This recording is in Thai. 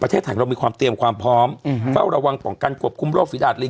ประเทศไทยเรามีความเตรียมความพร้อมเฝ้าระวังของการกวบคุมโรคฝีดาจลิง